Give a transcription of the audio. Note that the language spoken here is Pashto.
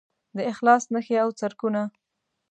د اخلاص نښې او څرکونه